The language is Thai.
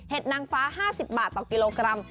นางฟ้า๕๐บาทต่อกิโลกรัม